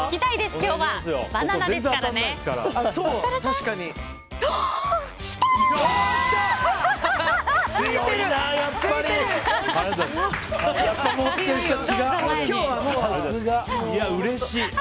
いや、うれしい。